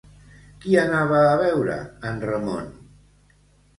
Qui anava a veure en Ramon?